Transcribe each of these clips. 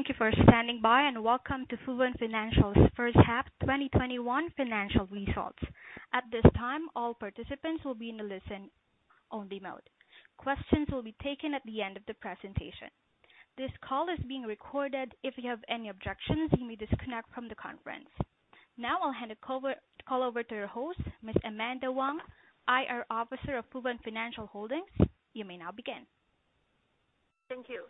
Thank you for standing by, and welcome to Fubon Financial's first half 2021 financial results. At this time, all participants will be in a listen-only mode. Questions will be taken at the end of the presentation. This call is being recorded. If you have any objections, you may disconnect from the conference. Now I'll hand the call over to your host, Ms. Amanda Wang, IR officer of Fubon Financial Holdings. You may now begin. Thank you.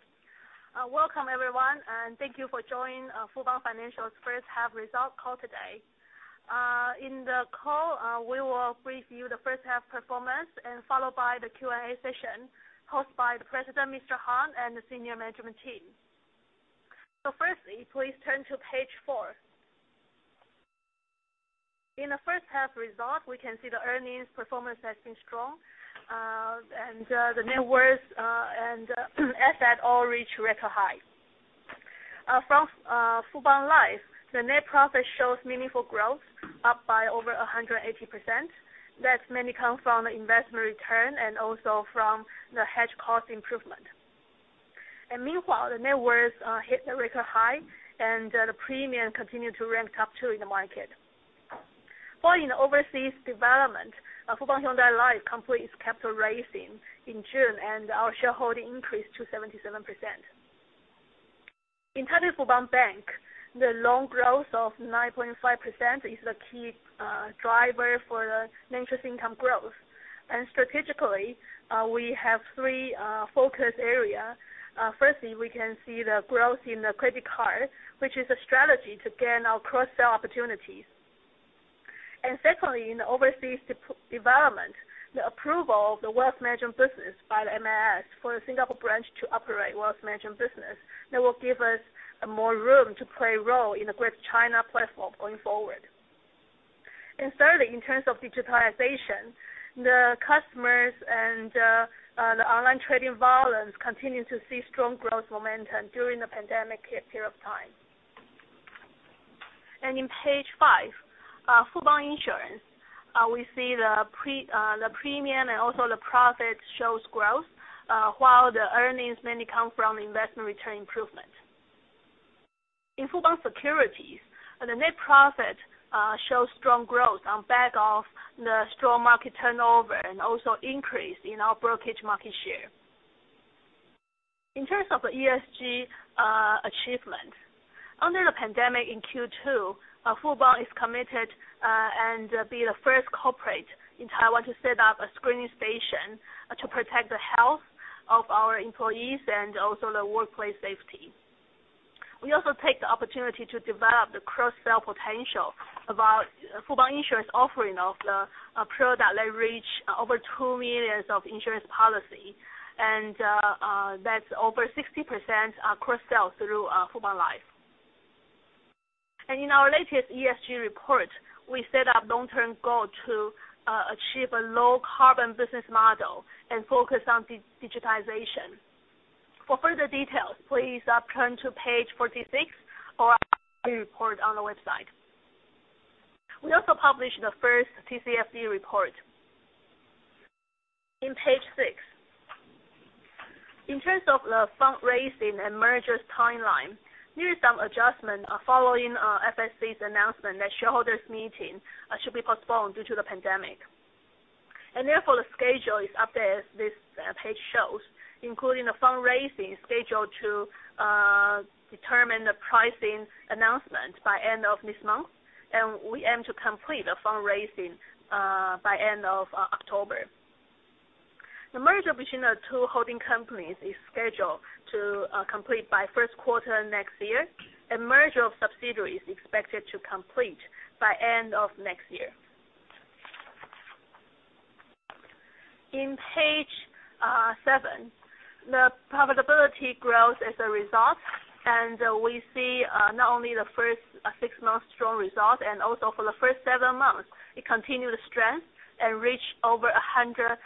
Welcome everyone, and thank you for joining Fubon Financial's first half results call today. In the call, we will preview the first half performance, followed by the Q&A session hosted by the president, Mr. Han, and the senior management team. Firstly, please turn to page four. In the first half results, we can see the earnings performance has been strong, and the net worth and asset all reach record high. From Fubon Life, the net profit shows meaningful growth, up by over 180%. That mainly comes from the investment return and also from the hedge cost improvement. Meanwhile, the net worth hit a record high, and the premium continued to rank top two in the market. For in overseas development, Fubon Hyundai Life completes capital raising in June, and our shareholding increased to 77%. Taipei Fubon Bank, the loan growth of 9.5% is the key driver for the interest income growth. Strategically, we have three focus areas. Firstly, we can see the growth in the credit card, which is a strategy to gain our cross-sell opportunities. Secondly, in the overseas development, the approval of the wealth management business by the MAS for the Singapore branch to operate wealth management business, that will give us more room to play a role in the Greater China platform going forward. Thirdly, in terms of digitalization, the customers and the online trading volumes continue to see strong growth momentum during the pandemic period of time. In page five, Fubon Insurance. We see the premium and also the profit shows growth, while the earnings mainly come from investment return improvement. In Fubon Securities, the net profit shows strong growth on back of the strong market turnover and also increase in our brokerage market share. In terms of ESG achievement, under the pandemic in Q2, Fubon is committed and be the first corporate in Taiwan to set up a screening station to protect the health of our employees and also the workplace safety. We also take the opportunity to develop the cross-sell potential about Fubon Insurance offering of the product that reach over 2 million of insurance policy, and that's over 60% cross-sell through Fubon Life. In our latest ESG report, we set up long-term goal to achieve a low carbon business model and focus on digitization. For further details, please turn to page 46 or our ESG report on the website. We also published the first TCFD report. In page six, in terms of the fundraising and mergers timeline, there is some adjustment following FSC's announcement that shareholders meeting should be postponed due to the pandemic. Therefore, the schedule is updated as this page shows, including the fundraising schedule to determine the pricing announcement by end of this month, and we aim to complete the fundraising by end of October. The merger between the two holding companies is scheduled to complete by first quarter next year, and merger of subsidiaries is expected to complete by end of next year. In page seven, the profitability growth as a result, we see not only the first six months strong result, and also for the first seven months, it continued the strength and reached over 106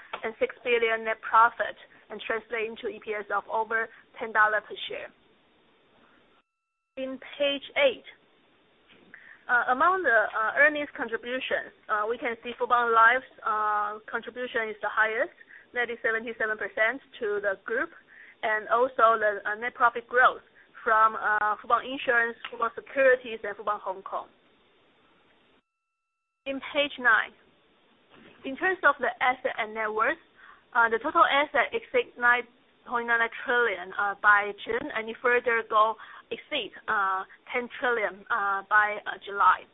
billion net profit and translate into EPS of over 10 dollars per share. In page eight, among the earnings contribution, we can see Fubon Life's contribution is the highest, that is 77%, to the group, and also the net profit growth from Fubon Insurance, Fubon Securities, and Fubon Hong Kong. In page nine, in terms of the asset and net worth, the total asset exceeds 9.9 trillion by June, and it further go exceed 10 trillion by July.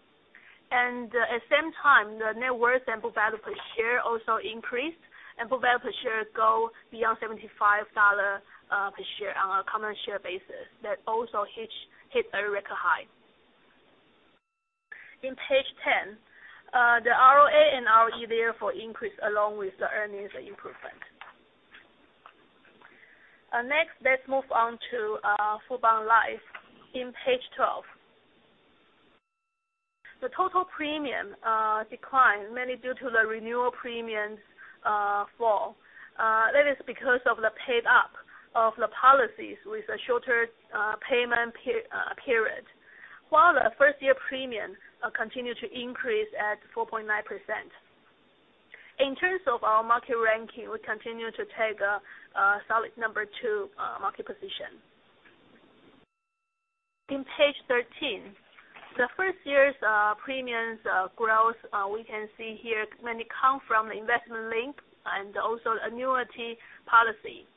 At the same time, the net worth and book value per share also increased, and book value per share go beyond 75 dollar per share on a common share basis. That also hit a record high. In page 10, the ROA and ROE therefore increase along with the earnings improvement. Next, let's move on to Fubon Life in page 12. The total premium declined mainly due to the renewal premiums fall. That is because of the paid-up of the policies with a shorter payment period. While the first-year premium continued to increase at 4.9%. In terms of our market ranking, we continue to take a solid number 2 market position. In page 13, the first year's premiums growth, we can see here mainly come from investment-linked and also annuity policy.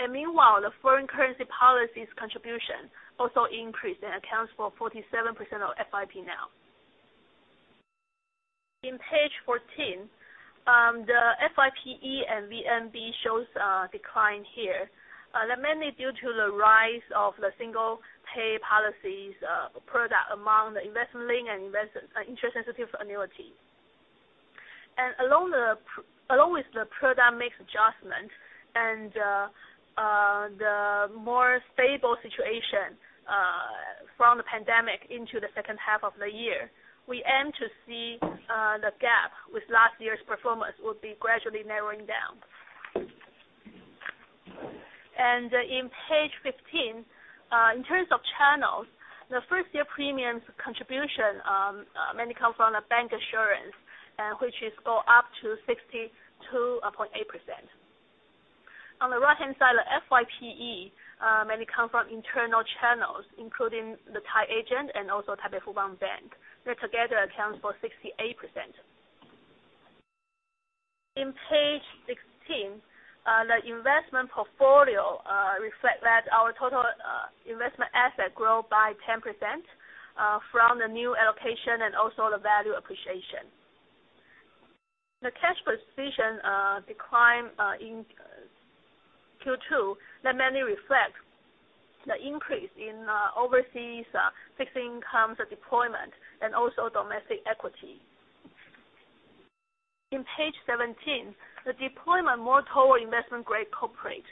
Meanwhile, the foreign currency policies contribution also increased and accounts for 47% of FYPE now. In page 14, the FYPE and VNB shows a decline here. They're mainly due to the rise of the single-pay policy product among the investment-linked and interest-sensitive annuity. Along with the product mix adjustment and the more stable situation from the pandemic into the second half of the year, we aim to see the gap with last year's performance will be gradually narrowing down. In page 15, in terms of channels, the first-year premiums contribution mainly comes from bancassurance, which is go up to 62.8%. On the right-hand side, the FYPE mainly comes from internal channels, including the tied agent and also Taipei Fubon Bank. They together account for 68%. In page 16, the investment portfolio reflects that our total investment asset grew by 10% from the new allocation and also the value appreciation. The cash position decline in Q2, that mainly reflects the increase in overseas fixed income deployment and also domestic equity. In page 17, the deployment more toward investment-grade corporate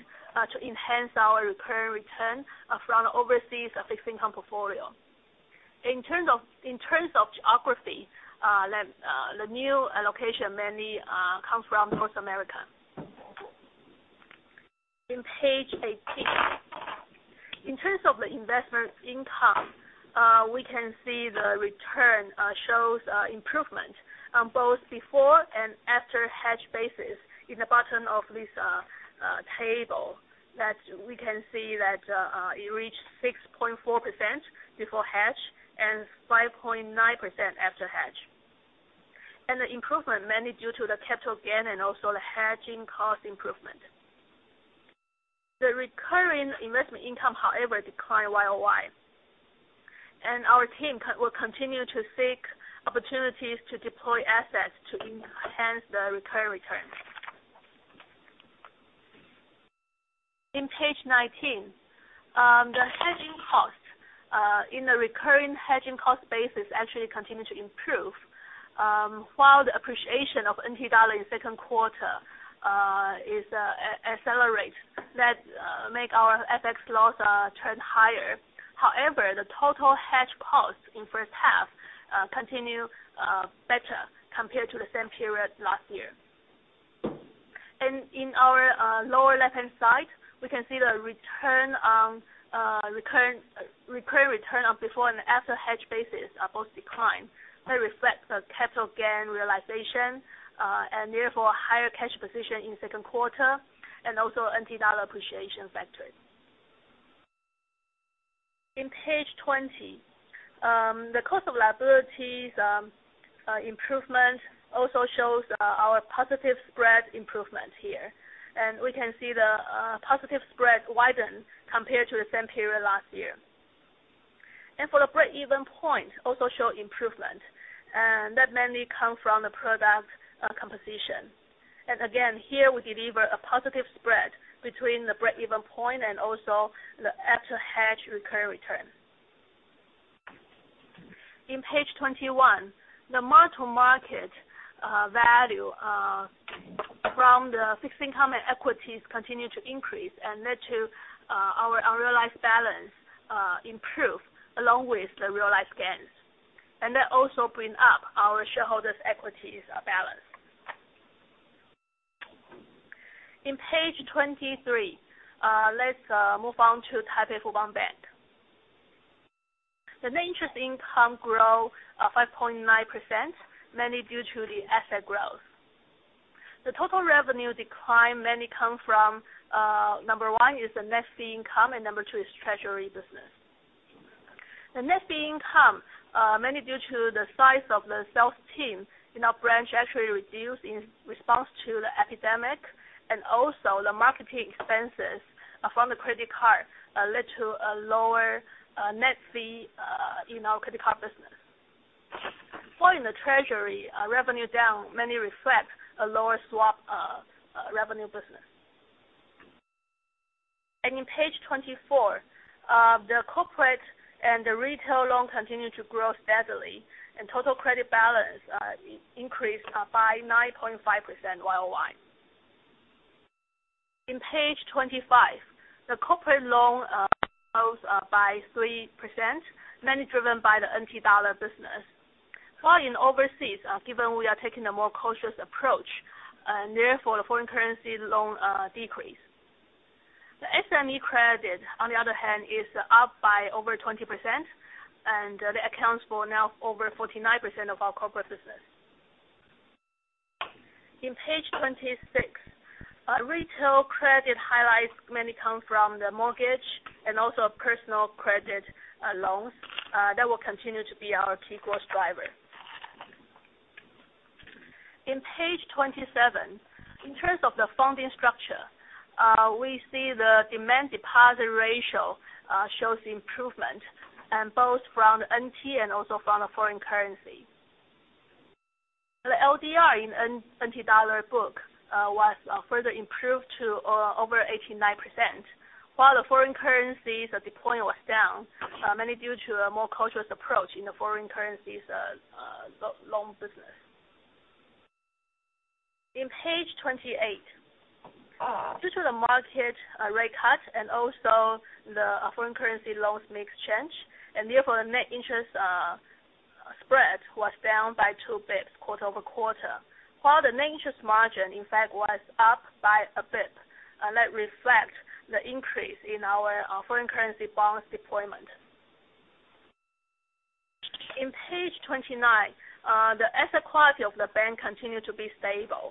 to enhance our recurring return from overseas fixed income portfolio. In terms of geography, the new allocation mainly comes from North America. In page 18, in terms of the investment income, we can see the return shows improvement on both before and after hedge basis. In the bottom of this table, we can see that it reached 6.4% before hedge and 5.9% after hedge. The improvement mainly due to the capital gain and also the hedging cost improvement. The recurring investment income, however, declined YOY. Our team will continue to seek opportunities to deploy assets to enhance the recurring return. In page 19, the hedging cost in the recurring hedging cost basis actually continued to improve, while the appreciation of NT dollar in second quarter accelerated. That make our FX loss turn higher. However, the total hedge cost in the first half continued better compared to the same period last year. In our lower left-hand side, we can see the recurring return on before and after hedge basis are both declined. That reflects the capital gain realization, therefore higher cash position in the second quarter, and also NT dollar appreciation factor. In page 20, the cost of liabilities improvement also shows our positive spread improvement here. We can see the positive spread widened compared to the same period last year. For the break-even point, also show improvement. That mainly comes from the product composition. Again, here we deliver a positive spread between the break-even point and also the after-hedge recurring return. In page 21, the mark-to-market value from the fixed income and equities continued to increase and led to our unrealized balance improve along with the realized gains. That also bring up our shareholders' equities balance. In page 23, let's move on to Taipei Fubon Bank. The net interest income grew 5.9%, mainly due to the asset growth. The total revenue decline mainly come from, number one is the net fee income, and number two is treasury business. The net fee income, mainly due to the size of the sales team in our branch actually reduced in response to the epidemic. Also the marketing expenses from the credit card led to a lower net fee in our credit card business. While in the treasury, revenue down mainly reflects a lower swap revenue business. In page 24, the corporate and the retail loan continued to grow steadily, and total credit balance increased by 9.5% YOY. In page 25, the corporate loan grows by 3%, mainly driven by the NT dollar business. While in overseas, given we are taking the more cautious approach, therefore the foreign currency loan decrease. The SME credit, on the other hand, is up by over 20%, and that accounts for now over 49% of our corporate business. In page 26, retail credit highlights mainly come from the mortgage and also personal credit loans. That will continue to be our key growth driver. In page 27, in terms of the funding structure, we see the demand deposit ratio shows improvement, both from NT and also from the foreign currency. The LDR in NT dollar book was further improved to over 89%, while the foreign currencies deployment was down mainly due to a more cautious approach in the foreign currency's loan business. In page 28, due to the market rate cut and also the foreign currency loans mix change, therefore the net interest spread was down by 2 basis points quarter-over-quarter, while the net interest margin, in fact, was up by 1 basis point. That reflects the increase in our foreign currency bonds deployment. In page 29, the asset quality of the bank continued to be stable.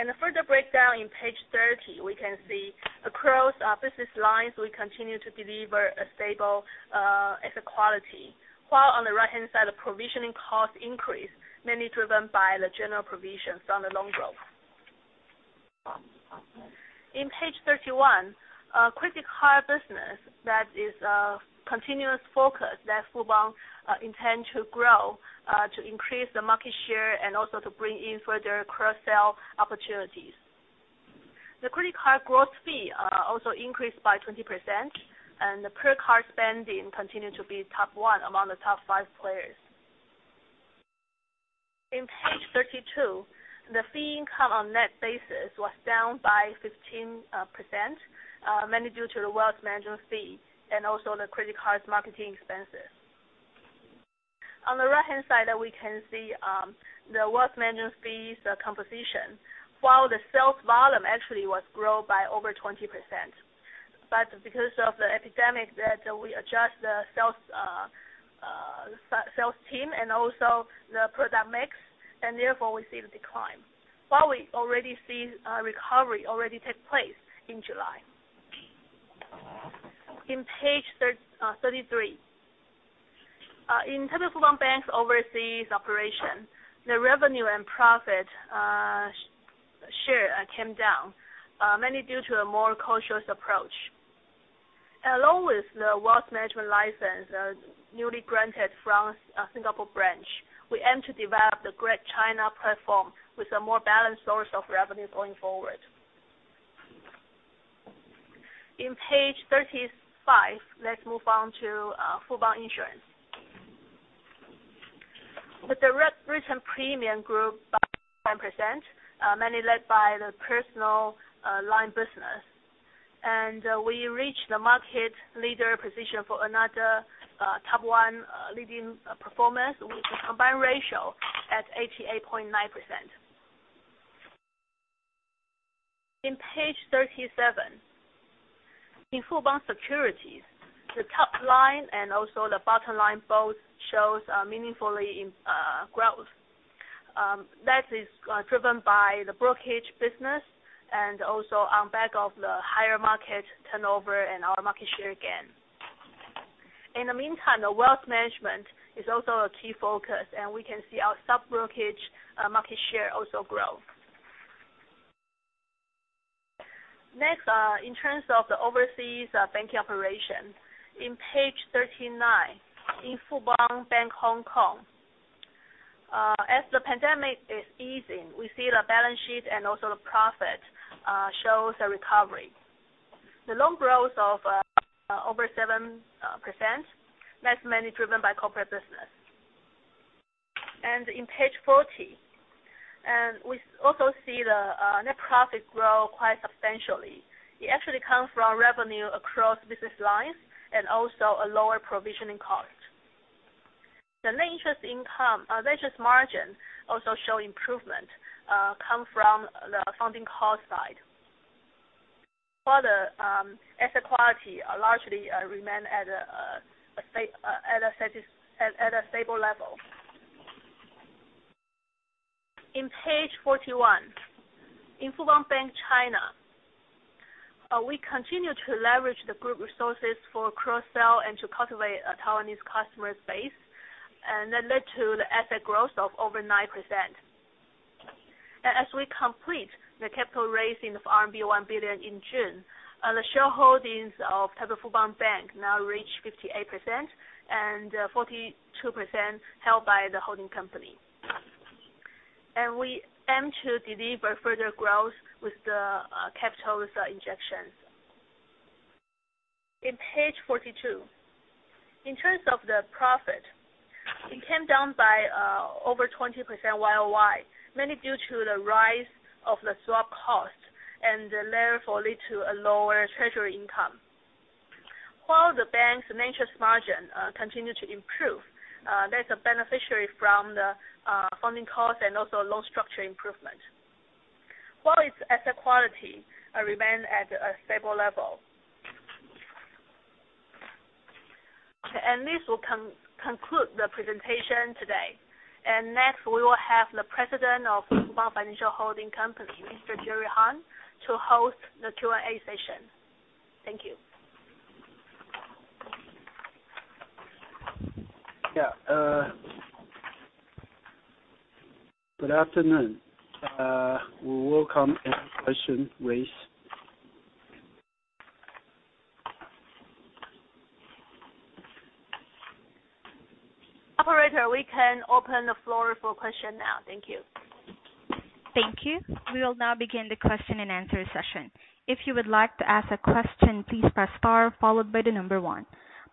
In the further breakdown in page 30, we can see across our business lines, we continue to deliver a stable asset quality, while on the right-hand side, the provisioning cost increased, mainly driven by the general provisions on the loan growth. In page 31, credit card business that is a continuous focus that Fubon intend to grow to increase the market share and also to bring in further cross-sell opportunities. The credit card gross fee also increased by 20%, and the per card spending continued to be top one among the top five players. In page 32, the fee income on net basis was down by 15%, mainly due to the wealth management fee and also the credit card's marketing expenses. On the right-hand side, we can see the wealth management fees composition, while the sales volume actually was grow by over 20%. Because of the epidemic that we adjust the sales team and also the product mix, therefore we see the decline, while we already see recovery already take place in July. In page 33. In terms of Fubon Bank's overseas operation, the revenue and profit share came down, mainly due to a more cautious approach. Along with the wealth management license newly granted from Singapore branch, we aim to develop the Greater China platform with a more balanced source of revenue going forward. In page 35, let's move on to Fubon Insurance. The direct written premium grew by 9%, mainly led by the personal line business. We reached the market leader position for another top one leading performance with a combined ratio at 88.9%. In page 37. In Fubon Securities, the top line and also the bottom line both shows meaningfully growth. That is driven by the brokerage business and also on back of the higher market turnover and our market share gain. In the meantime, the wealth management is also a key focus, and we can see our sub-brokerage market share also grow. Next, in terms of the overseas banking operation, in page 39, in Fubon Bank Hong Kong, as the pandemic is easing, we see the balance sheet and also the profit shows a recovery. The loan growth of over 7%, that's mainly driven by corporate business. In page 40, we also see the net profit grow quite substantially. It actually comes from revenue across business lines and also a lower provisioning cost. The net interest margin also show improvement come from the funding cost side, while the asset quality largely remain at a stable level. In page 41, in Fubon Bank China, we continue to leverage the group resources for cross-sell and to cultivate a Taiwanese customer base, and that led to the asset growth of over 9%. As we complete the capital raising of RMB 1 billion in June, the shareholdings of Taipei Fubon Bank now reach 58%, and 42% held by the holding company. We aim to deliver further growth with the capital injections. In page 42, in terms of the profit, it came down by over 20% YOY, mainly due to the rise of the swap cost and therefore lead to a lower treasury income. While the bank's interest margin continue to improve, that's a beneficiary from the funding cost and also loan structure improvement. While its asset quality remain at a stable level. Okay, this will conclude the presentation today. Next, we will have the President of Fubon Financial Holding Company, Mr. Jerry Hung, to host the Q&A session. Thank you. Yeah. Good afternoon. We welcome any question, please. Operator, we can open the floor for question now. Thank you. Thank you. We will now begin the question and answer session. If you would like to ask a question, please press star followed by the number one.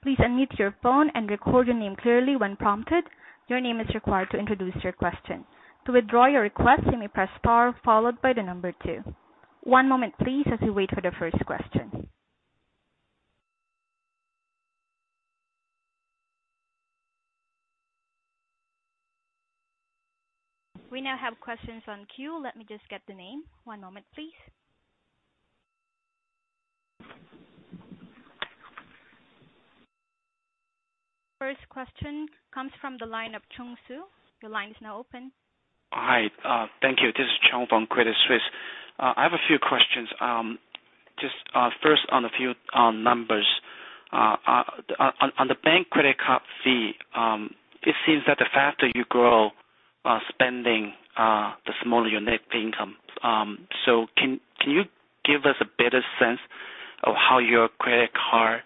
Please unmute your phone and record your name clearly when prompted. Your name is required to introduce your question. To withdraw your request, you may press star followed by the number two. One moment, please, as we wait for the first question. We now have questions on queue. Let me just get the name. One moment, please. First question comes from the line of Chung Hsu. Your line is now open. Hi. Thank you. This is Chung from Credit Suisse. I have a few questions. First on a few numbers. On the bank credit card fee, it seems that the faster you grow spending, the smaller your net fee income. Can you give us a better sense of how your credit card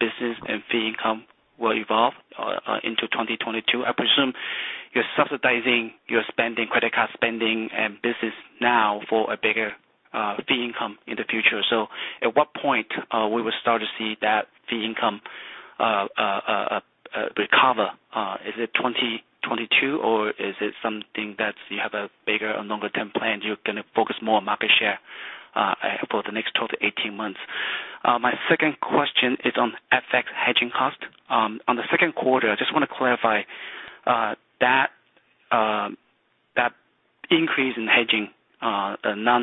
business and fee income will evolve into 2022? I presume you're subsidizing your credit card spending and business now for a bigger fee income in the future. At what point we will start to see that fee income recover? Is it 2022 or is it something that you have a bigger or longer-term plan, you're going to focus more on market share for the next 12 to 18 months? My second question is on FX hedging cost. On the second quarter, I just want to clarify, that increase in hedging, the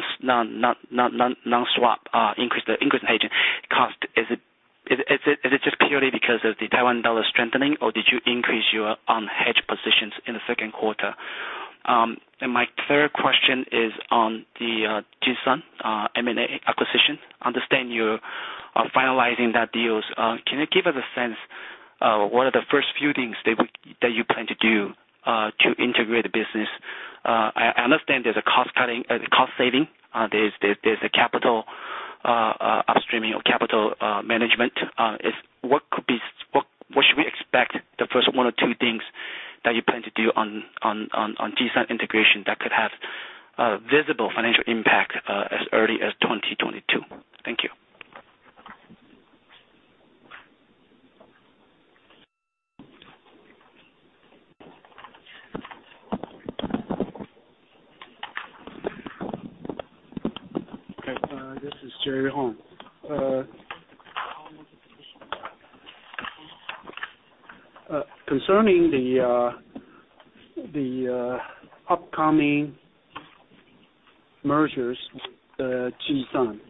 non-swap increase in hedging cost, is it just purely because of the NT dollar strengthening or did you increase your unhedged positions in the second quarter? My third question is on the Jih Sun M&A acquisition. Understand you are finalizing that deal. Can you give us a sense, what are the first few things that you plan to do to integrate the business? I understand there's a cost saving. There's a capital upstreaming or capital management. What should we expect the first one or two things that you plan to do on Jih Sun integration that could have visible financial impact as early as 2022? Thank you. Okay. This is Jerry Harn. Concerning the upcoming mergers with Jih Sun.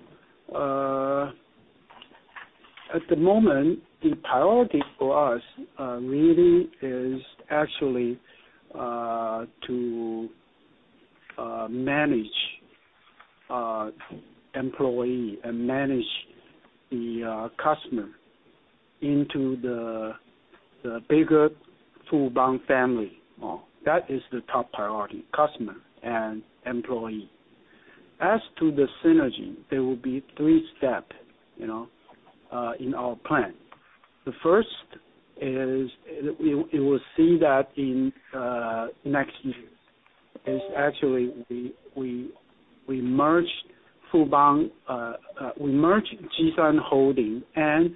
At the moment, the priority for us really is actually to manage employee and manage the customer into the bigger Fubon family. That is the top priority, customer and employee. As to the synergy, there will be three step in our plan. The first is, you will see that in next year, is actually we merge Jih Sun Holding and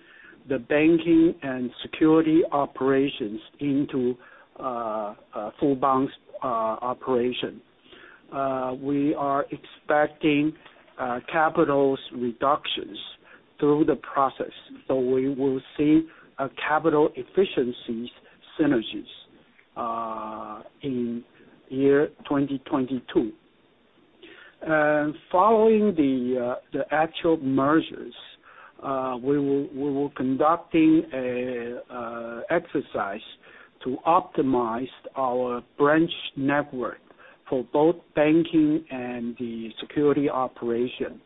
the banking and security operations into Fubon's operation. We are expecting capitals reductions through the process. We will see a capital efficiencies synergies in year 2022. Following the actual mergers, we will conducting a exercise to optimize our branch network for both banking and the security operation,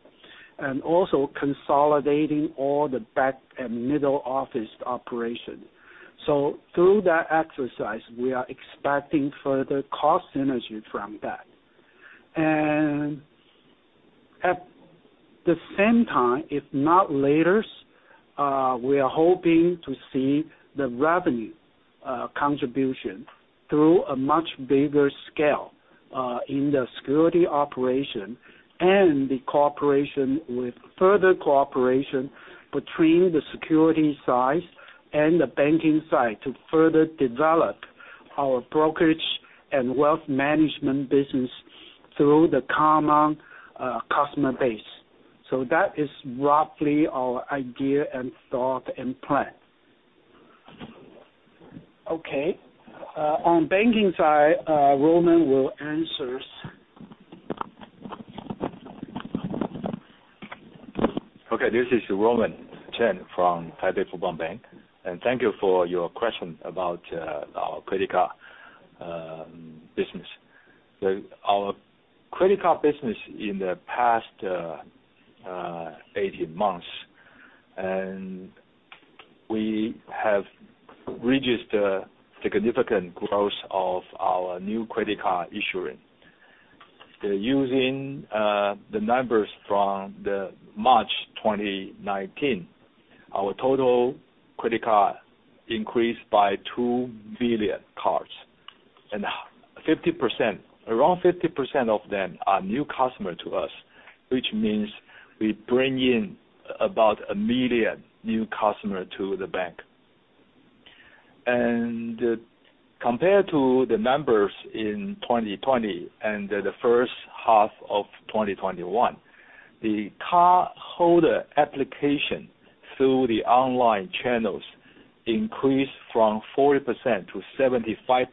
and also consolidating all the back and middle office operation. Through that exercise, we are expecting further cost synergy from that. At the same time, if not laters, we are hoping to see the revenue contribution through a much bigger scale, in the security operation and the cooperation with further cooperation between the security side and the banking side to further develop our brokerage and wealth management business through the common customer base. That is roughly our idea and thought and plan. Okay. On banking side, Roman will answer. This is Roman Cheng from Taipei Fubon Bank, thank you for your question about our credit card business. Our credit card business in the past 18 months, we have registered significant growth of our new credit card issuing. Using the numbers from the March 2019, our total credit card increased by 2 billion cards, around 50% of them are new customer to us, which means we bring in about a million new customer to the bank. Compared to the numbers in 2020 and the first half of 2021, the cardholder application through the online channels increased from 40% to 75%.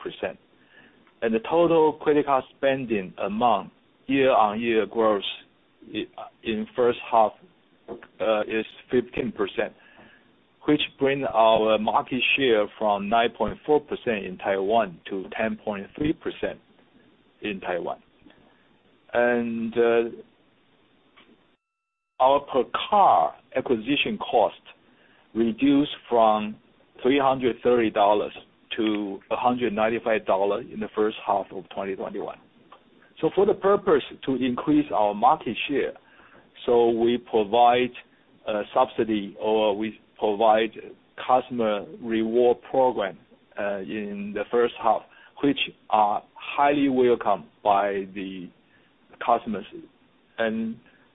The total credit card spending amount year-on-year growth in first half is 15%, which bring our market share from 9.4% in Taiwan to 10.3% in Taiwan. Our per-card acquisition cost reduced from 330 dollars to 195 dollars in the first half of 2021. For the purpose to increase our market share, we provide a subsidy or we provide customer reward program in the first half, which are highly welcomed by the customers.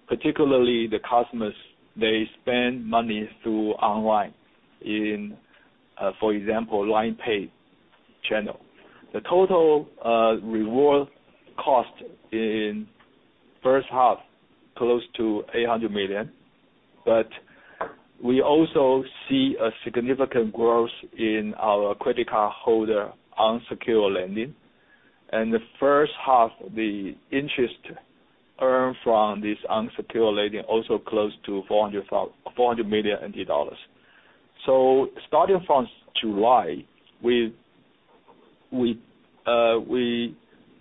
Particularly the customers, they spend money through online in, for example, LINE Pay channel. The total reward cost in first half, close to 800 million. We also see a significant growth in our credit card holder unsecured lending. In the first half, the interest earned from this unsecured lending also close to 400 million NT dollars. Starting from July, we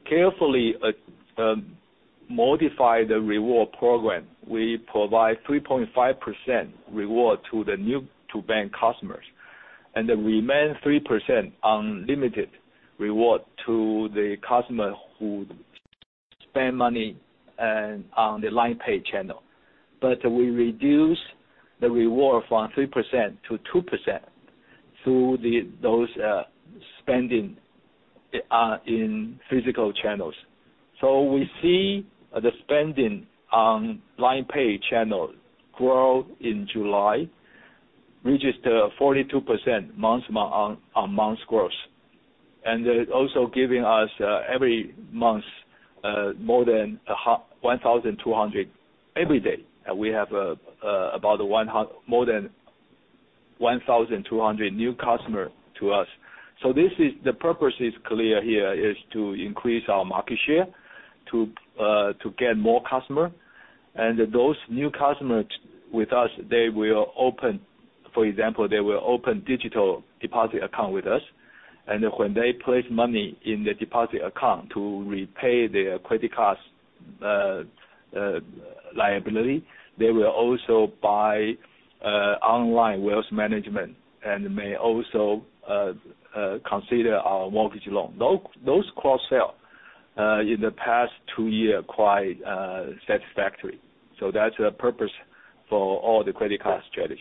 carefully modify the reward program. We provide 3.5% reward to the new-to-bank customers, the remaining 3% unlimited reward to the customer who spend money on the LINE Pay channel. We reduce the reward from 3% to 2% to those spending in physical channels. We see the spending on LINE Pay channel grow in July, registered 42% month-on-month growth. Also giving us every month, more than 1,200 every day. We have about more than 1,200 new customer to us. The purpose is clear here, is to increase our market share to get more customer. Those new customers with us, for example, they will open digital deposit account with us. When they place money in the deposit account to repay their credit card liability, they will also buy online wealth management and may also consider our mortgage loan. Those cross-sell in the past two year are quite satisfactory. That's the purpose for all the credit card strategy.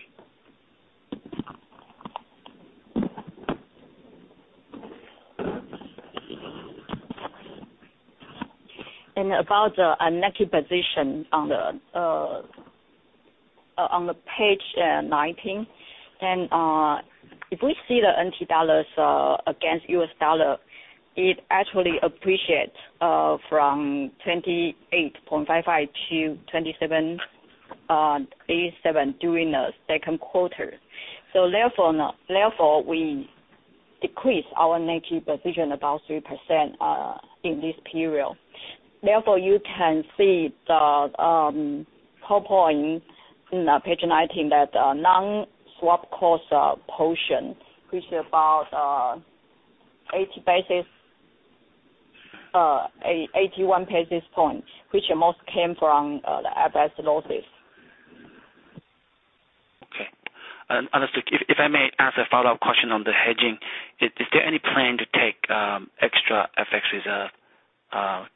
About the negative position on page 19. If we see the NT dollar against US dollar, it actually appreciate from 28.55 to 27.87 during the second quarter. Therefore, we decrease our negative position about 3% in this period. Therefore, you can see the PowerPoint in page 19, that non-swap cost portion, which is about 81 basis points, which most came from the FX losses. Okay. Understood. If I may ask a follow-up question on the hedging, is there any plan to take extra FX reserve,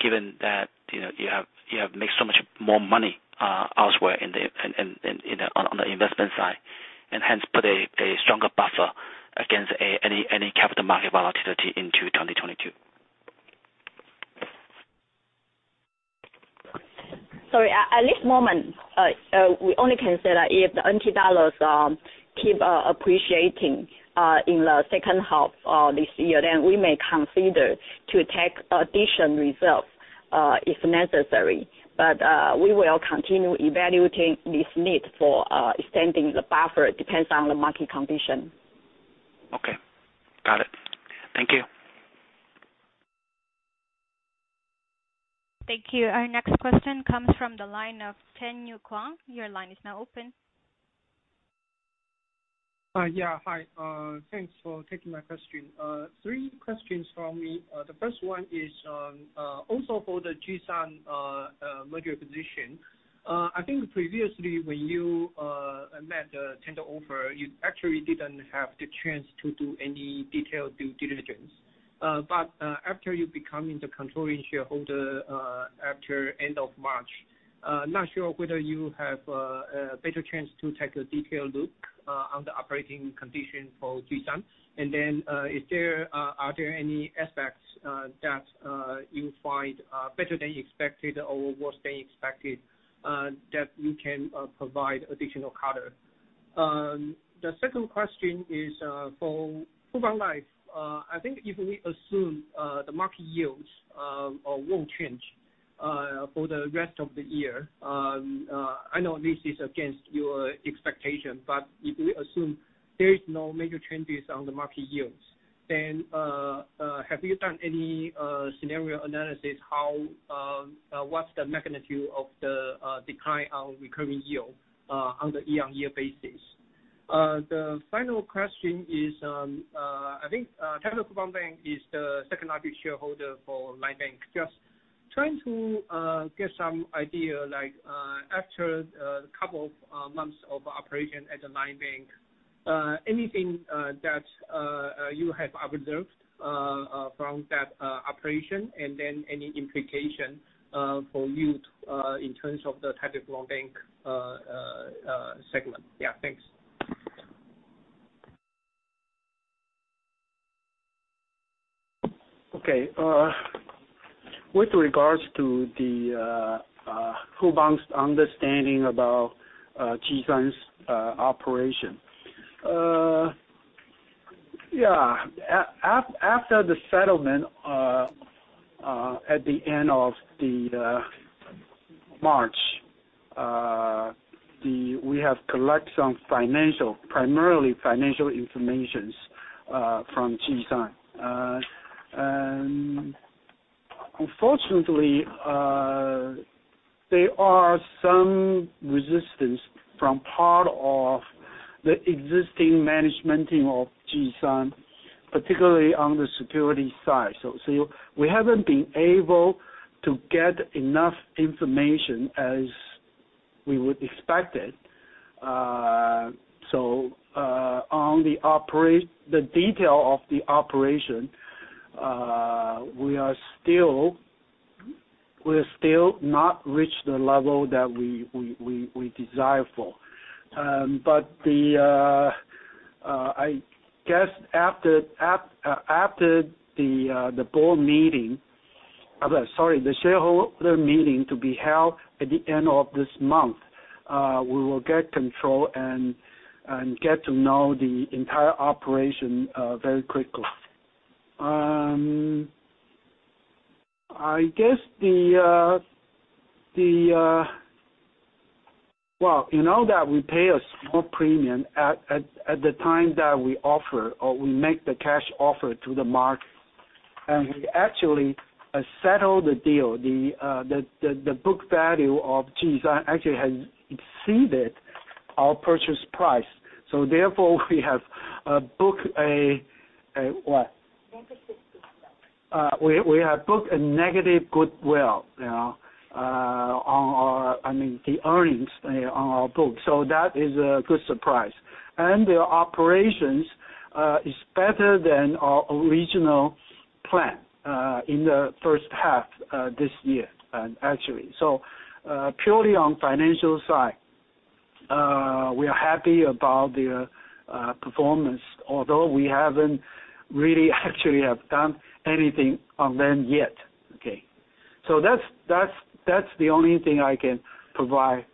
given that you have made so much more money elsewhere on the investment side, and hence put a stronger buffer against any capital market volatility into 2022? Sorry, at this moment, we only consider if the NT dollar keep appreciating in the second half of this year, we may consider taking additional reserves if necessary. We will continue evaluating this need for extending the buffer. It depends on the market condition. Okay. Got it. Thank you. Thank you. Our next question comes from the line of Tenyu Kwong. Your line is now open. Yeah. Hi. Thanks for taking my question. Three questions from me. The first one is also for the Jih Sun merger position. I think previously when you made the tender offer, you actually didn't have the chance to do any detailed due diligence. After you becoming the controlling shareholder after end of March, not sure whether you have a better chance to take a detailed look on the operating condition for Jih Sun. Are there any aspects that you find better than you expected or worse than expected, that you can provide additional color? The second question is for Fubon Life. I think if we assume the market yields won't change for the rest of the year, I know this is against your expectation, but if we assume there is no major changes on the market yields, then have you done any scenario analysis? What's the magnitude of the decline on recurring yield on the year-on-year basis? The final question is, I think Taipei Fubon Bank is the second-largest shareholder for LINE Bank. Just trying to get some idea, after a couple of months of operation at the LINE Bank, anything that you have observed from that operation, and then any implication for you in terms of the Taipei Fubon Bank segment? Yeah, thanks. Okay. With regards to the Fubon's understanding about Jih Sun's operation. Yeah. After the settlement at the end of March, we have collected some primarily financial information from Jih Sun. Unfortunately, there is some resistance from part of the existing management team of Jih Sun, particularly on the security side. We haven't been able to get enough information as we would expect it. On the detail of the operation, we are still not reached the level that we desire for. I guess after the shareholder meeting to be held at the end of this month, we will get control and get to know the entire operation very quickly. Well, you know that we pay a small premium at the time that we offer, or we make the cash offer to the market, and we actually settle the deal. The book value of Jih Sun actually has exceeded our purchase price. Therefore, we have booked a what? Negative goodwill. We have booked a negative goodwill on the earnings on our books. That is a good surprise. Their operations is better than our original plan in the first half of this year, actually. Purely on financial side, we are happy about their performance, although we haven't really actually have done anything on them yet. Okay. That's the only thing I can provide,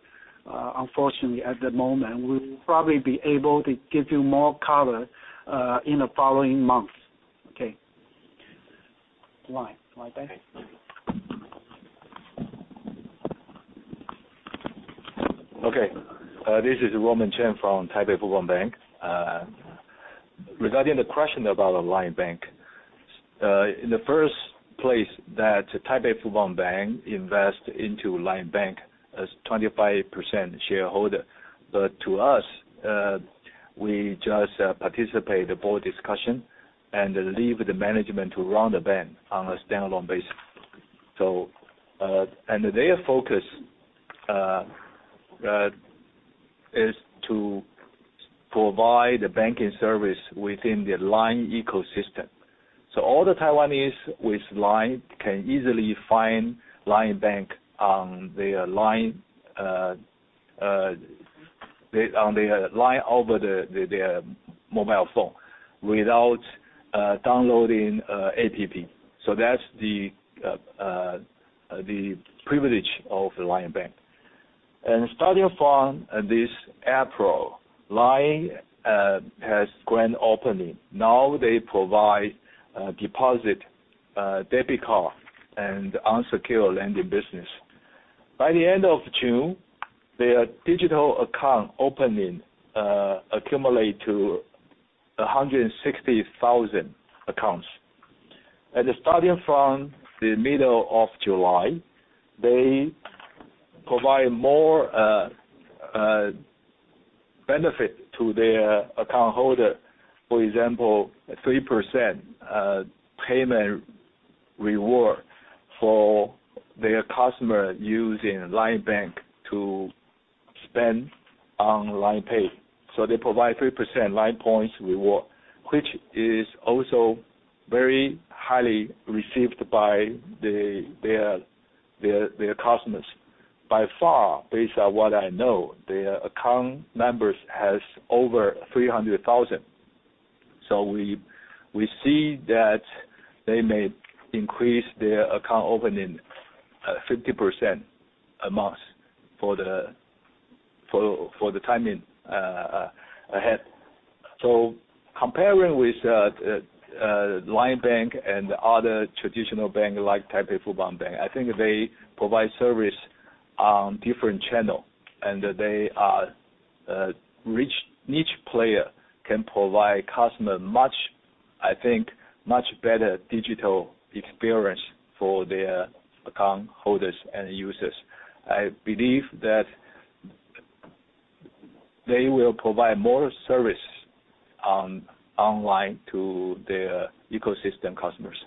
unfortunately, at the moment. We'll probably be able to give you more color in the following months. Okay. LINE Bank. Okay. Okay. This is Roman Cheng from Taipei Fubon Bank. Regarding the question about LINE Bank. In the first place that Taipei Fubon Bank invest into LINE Bank as 25% shareholder. To us, we just participate the board discussion and leave the management to run the bank on a standalone basis. Their focus is to provide the banking service within the LINE ecosystem. All the Taiwanese with LINE can easily find LINE Bank on their LINE- On their LINE over their mobile phone without downloading APP. That's the privilege of LINE Bank. Starting from this April, LINE has grand opening. Now they provide deposit, debit card, and unsecured lending business. By the end of June, their digital account opening accumulate to 160,000 accounts. Starting from the middle of July, they provide more benefit to their account holder. For example, 3% payment reward for their customer using LINE Bank to spend on LINE Pay. They provide 3% LINE Points reward, which is also very highly received by their customers. By far, based on what I know, their account members has over 300,000. We see that they may increase their account opening 50% a month for the time ahead. Comparing with LINE Bank and other traditional bank like Taipei Fubon Bank, I think they provide service on different channel, and each player can provide customer, I think, much better digital experience for their account holders and users. I believe that they will provide more service online to their ecosystem customers.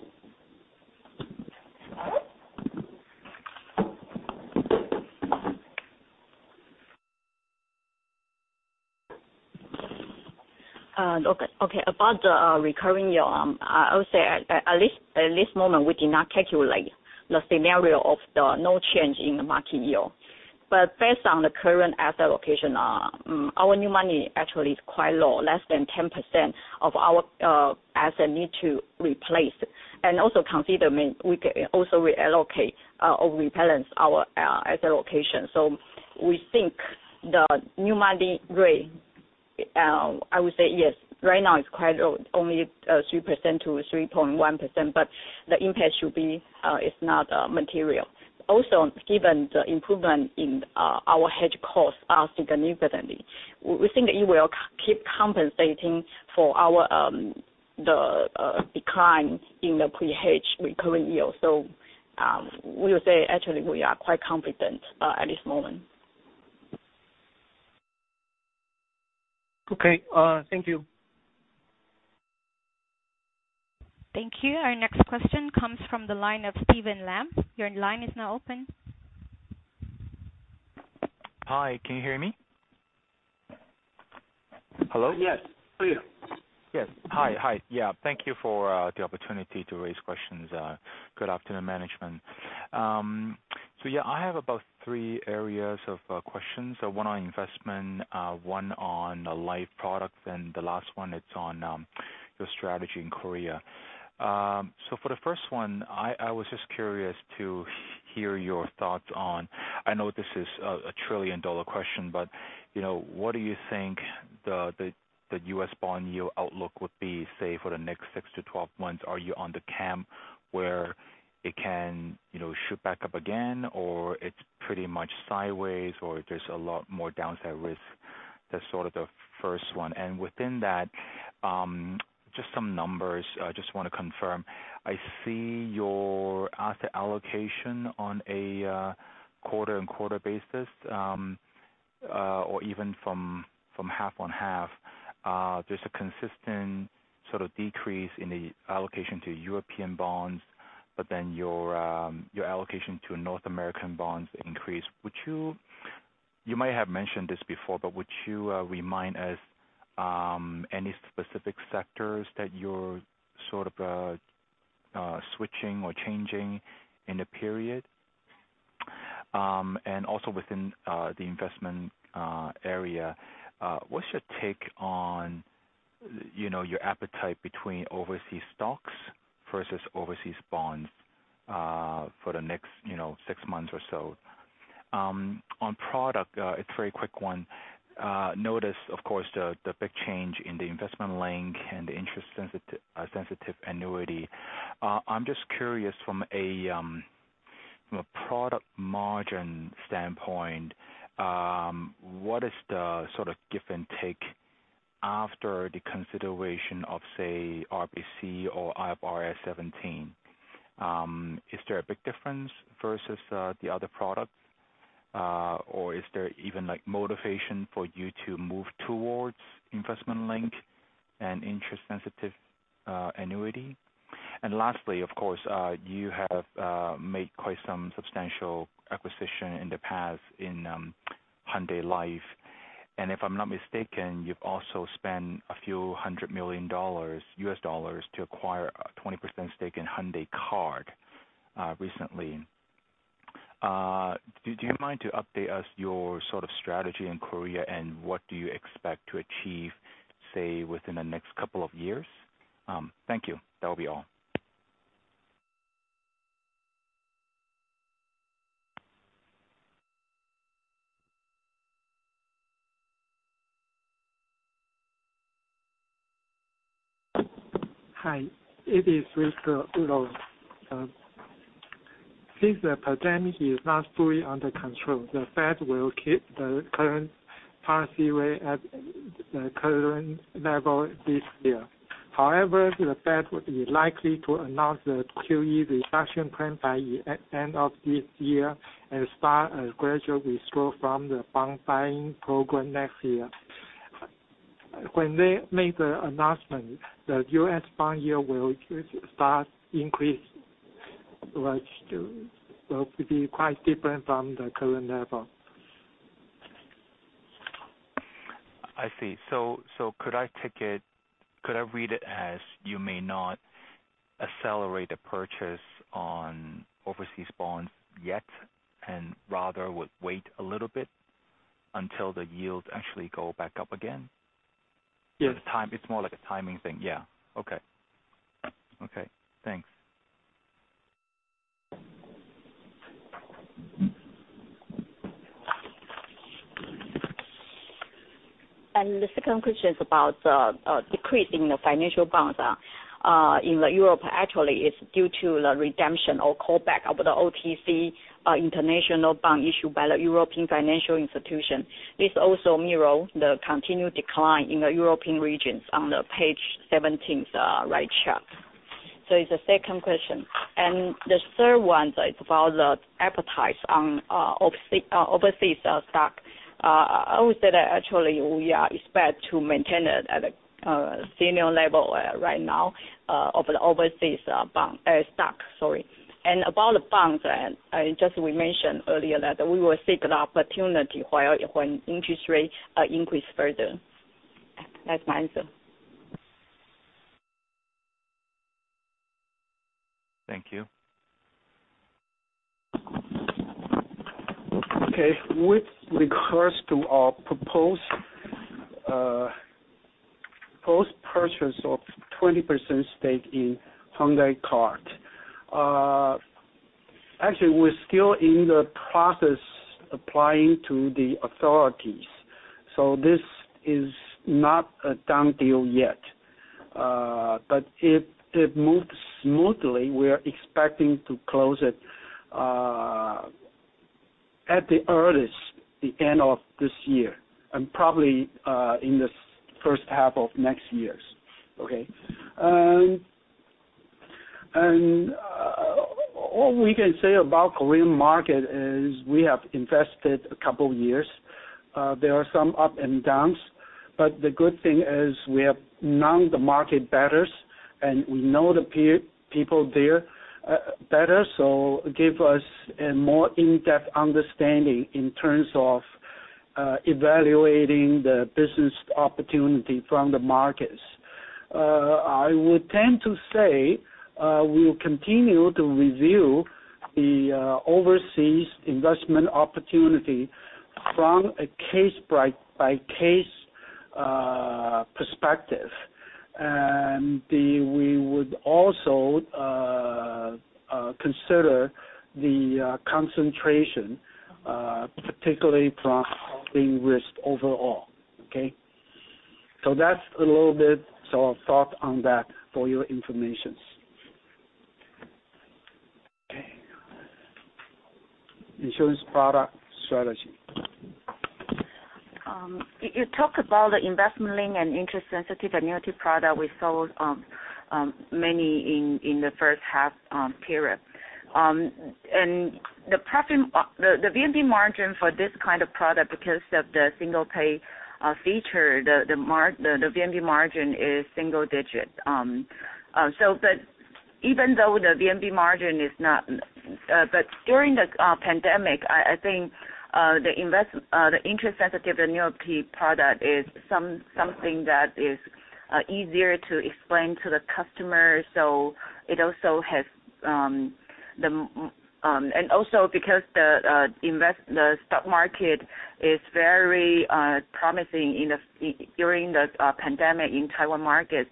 Okay. About the recurring yield, I would say at this moment, we did not calculate the scenario of the no change in the market yield. Based on the current asset allocation, our new money actually is quite low, less than 10% of our asset need to replace. Also consider we can also reallocate or rebalance our asset allocation. We think the new money rate, I would say yes, right now it's only 3%-3.1%, but the impact should be is not material. Given the improvement in our hedge costs are significantly, we think it will keep compensating for the decline in the pre-hedge recurring yield. We would say, actually, we are quite confident at this moment. Okay. Thank you. Thank you. Our next question comes from the line of Steven Lam. Your line is now open. Hi, can you hear me? Hello? Yes. Yes. Hi. Thank you for the opportunity to raise questions. Good afternoon, management. I have about three areas of questions. One on investment, one on the life products, and the last one, it's on your strategy in Korea. For the first one, I was just curious to hear your thoughts on, I know this is a trillion-dollar question, but what do you think the U.S. bond yield outlook would be, say, for the next six to 12 months? Are you on the camp where it can shoot back up again, or it's pretty much sideways, or there's a lot more downside risk? That's the first one. Within that, just some numbers I just want to confirm. I see your asset allocation on a quarter-over-quarter basis, or even from half on half. There's a consistent decrease in the allocation to European bonds, your allocation to North American bonds increase. You might have mentioned this before, but would you remind us any specific sectors that you're switching or changing in the period? Also within the investment area, what's your take on your appetite between overseas stocks versus overseas bonds for the next six months or so? On product, it's a very quick one. Notice, of course, the big change in the investment link and the interest sensitive annuity. I'm just curious from a product margin standpoint, what is the give and take after the consideration of, say, RBC or IFRS 17? Is there a big difference versus the other products? Is there even motivation for you to move towards investment link and interest sensitive annuity? Lastly, of course, you have made quite some substantial acquisition in the past in Hyundai Life, if I'm not mistaken, you've also spent a few hundred million U.S. dollars to acquire a 20% stake in Hyundai Card recently. Do you mind to update us your strategy in Korea, what do you expect to achieve, say, within the next couple of years? Thank you. That will be all. Hi. It is Risker Ulour. Since the pandemic is not fully under control, the Fed will keep the current policy rate at the current level this year. However, the Fed is likely to announce the QE reduction plan by the end of this year and start a gradual withdrawal from the bond-buying program next year. When they make the announcement, the U.S. bond yield will start increasing, which will be quite different from the current level. I see. Could I read it as you may not accelerate the purchase on overseas bonds yet, and rather would wait a little bit until the yields actually go back up again? Yes. It's more like a timing thing. Yeah. Okay. Thanks. The second question is about the decrease in the financial bonds in Europe actually is due to the redemption or call back of the OTC international bond issued by the European financial institution. This also mirrors the continued decline in the European regions on page 17, right chart. It's the second question. The third one is about the appetite on overseas stock. I would say that actually, we are expected to maintain it at a senior level right now of the overseas stock. About the bonds, just as we mentioned earlier, that we will seek the opportunity when interest rates increase further. That's my answer. Thank you. With regards to our proposed post-purchase of 20% stake in Hyundai Card. Actually, we're still in the process applying to the authorities. This is not a done deal yet. If it moves smoothly, we are expecting to close it, at the earliest, the end of this year, and probably in the first half of next year. All we can say about Korean market is we have invested a couple of years. There are some up and downs, but the good thing is we know the market better, and we know the people there better, so give us a more in-depth understanding in terms of evaluating the business opportunity from the markets. I would tend to say we will continue to review the overseas investment opportunity from a case-by-case perspective. We would also consider the concentration, particularly from a risk overall. That's a little bit of our thought on that for your information. Insurance product strategy. You talk about the investment-linked and interest-sensitive annuity product we sold many in the first half period. The VNB margin for this kind of product, because of the single pay feature, the VNB margin is single-digit. During the pandemic, I think the interest-sensitive annuity product is something that is easier to explain to the customer, and also because the stock market is very promising during the pandemic in Taiwan market.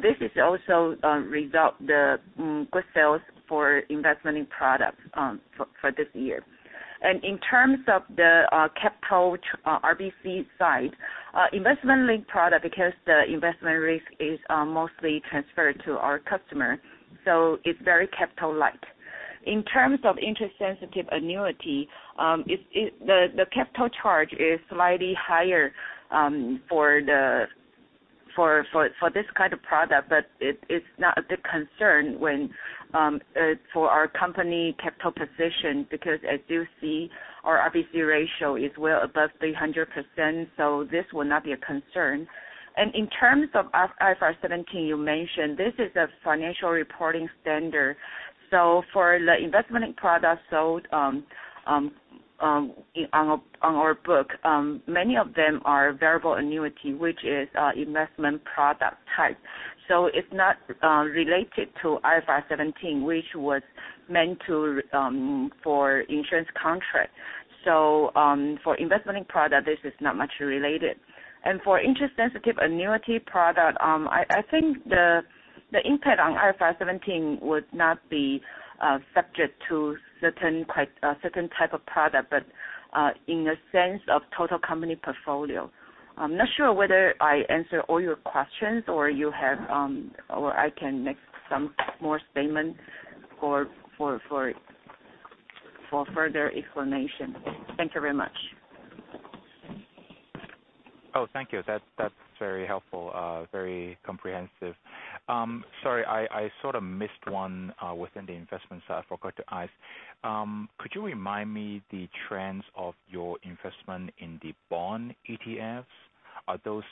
This is also result the good sales for investment-linked products for this year. In terms of the capital RBC side, investment-linked product, because the investment risk is mostly transferred to our customer, so it's very capital light. In terms of interest-sensitive annuity, the capital charge is slightly higher for this kind of product, but it's not a big concern for our company capital position, because as you see, our RBC ratio is well above 300%, this will not be a concern. In terms of IFRS 17, you mentioned, this is a financial reporting standard. For the investment product sold on our book, many of them are variable annuity, which is investment product type. It's not related to IFRS 17, which was meant for insurance contract. For investment product, this is not much related. For interest-sensitive annuity product, I think the impact on IFRS 17 would not be subject to certain type of product, but in the sense of total company portfolio. I'm not sure whether I answered all your questions, or I can make some more statement for further explanation. Thank you very much. Oh, thank you. That's very helpful, very comprehensive. Sorry, I sort of missed one within the investment side I forgot to ask. Could you remind me the trends of your investment in the bond ETFs? Those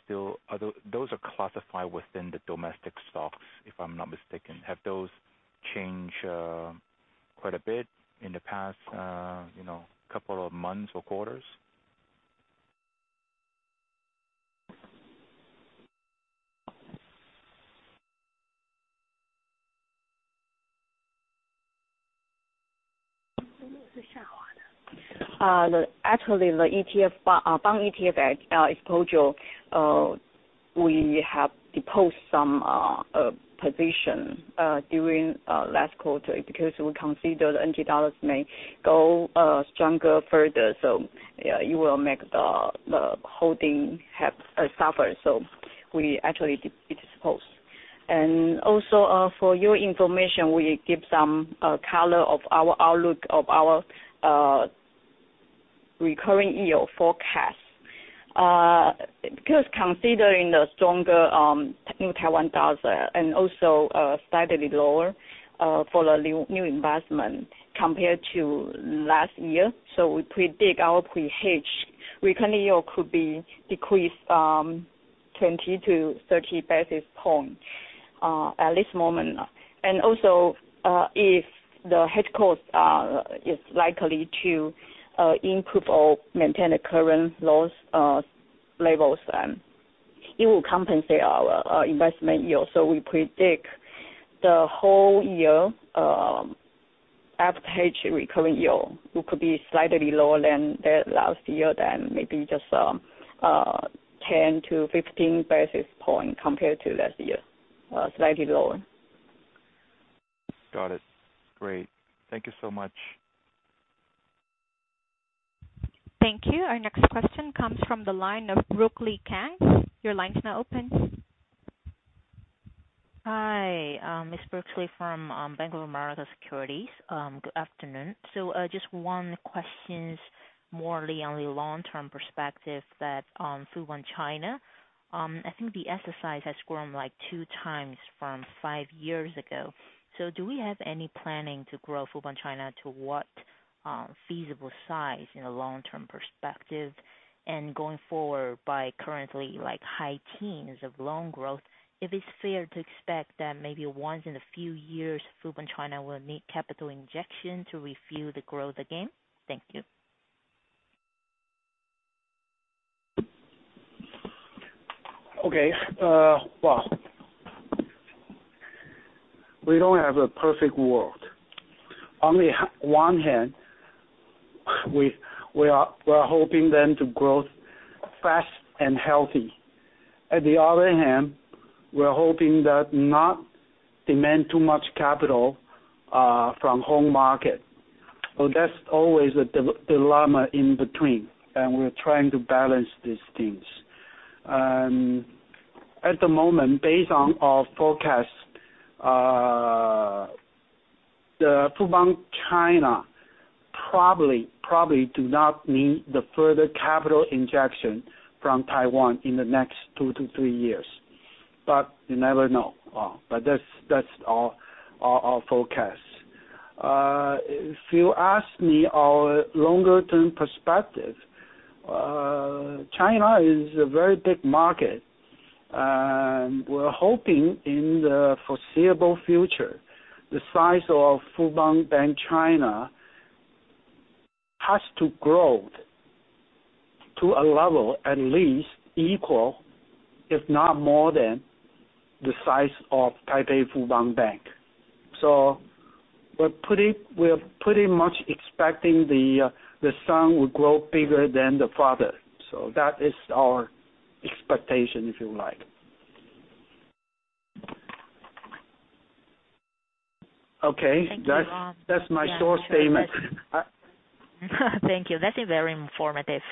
are classified within the domestic stocks, if I'm not mistaken. Have those changed quite a bit in the past couple of months or quarters? Actually, the bond ETF exposure, we have disposed some position during last quarter because we consider the NT dollar may go stronger further, so it will make the holding suffer. We actually dispose. Also, for your information, we give some color of our outlook of our recurring IO forecast. Considering the stronger New Taiwan dollar and also slightly lower for the new investment compared to last year, we predict our pre-hedge recurring IO could be decreased 20 to 30 basis points at this moment. Also, if the hedge cost is likely to improve or maintain the current loss levels, it will compensate our investment yield. We predict the whole year after hedge recurring yield could be slightly lower than the last year, than maybe just 10 to 15 basis points compared to last year. Slightly lower. Got it. Great. Thank you so much. Thank you. Our next question comes from the line of Brooksley Kang. Your line is now open. Hi, it's Brookley from Bank of America Securities. Good afternoon. Just one question, more on the long-term perspective that on Fubon China. I think the exercise has grown like two times from five years ago. Do we have any planning to grow Fubon China to what feasible size in a long-term perspective? And going forward by currently high teens of loan growth, if it's fair to expect that maybe once in a few years, Fubon China will need capital injection to refuel the growth again? Thank you. Okay. We don't have a perfect world. On the one hand, we are hoping them to grow fast and healthy. At the other hand, we are hoping that not demand too much capital from home market. That's always the dilemma in between, and we're trying to balance these things. At the moment, based on our forecast, the Fubon China probably do not need the further capital injection from Taiwan in the next two to three years. You never know. That's our forecast. If you ask me our longer-term perspective, China is a very big market, and we're hoping in the foreseeable future, the size of Fubon Bank China has to grow to a level at least equal, if not more than, the size of Taipei Fubon Bank. We're pretty much expecting the son will grow bigger than the father. That is our expectation, if you like. Okay. Thank you. That's my short statement. Thank you. That is very informative.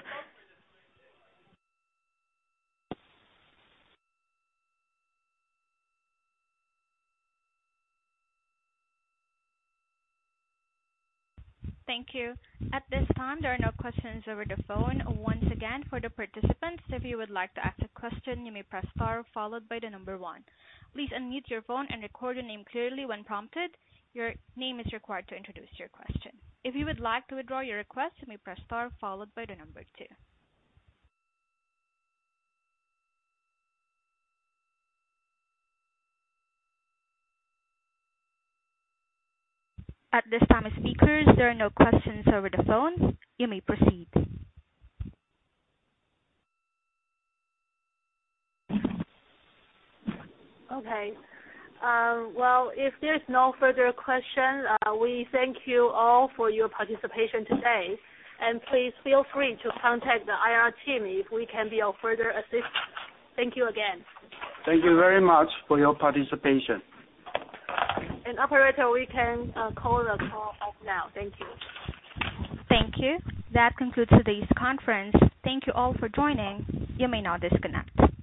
Thank you. At this time, there are no questions over the phone. Once again, for the participants, if you would like to ask a question, you may press star followed by the number one. Please unmute your phone and record your name clearly when prompted. Your name is required to introduce your question. If you would like to withdraw your request, you may press star followed by the number two. At this time, speakers, there are no questions over the phone. You may proceed. Okay. Well, if there is no further question, we thank you all for your participation today. Please feel free to contact the IR team if we can be of further assistance. Thank you again. Thank you very much for your participation. Operator, we can call the call off now. Thank you. Thank you. That concludes today's conference. Thank you all for joining. You may now disconnect.